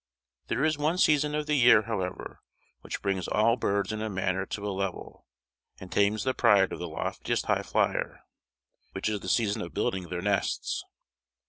There is one season of the year, however, which brings all birds in a manner to a level, and tames the pride of the loftiest highflyer; which is the season of building their nests.